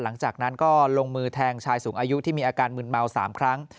หลังจากนั้นก็ลงมือแทงชายสูงอายุที่มีอาการมืนเมา๓ครั้ง